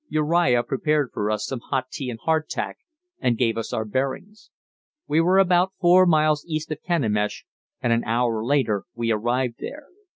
Uriah prepared for us some hot tea and hardtack, and gave us our bearings. We were about four miles east of Kenemish, and an hour later we arrived there.